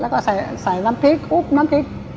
แล้วก็ใส่น้ำพริกคลุกน้ำพริก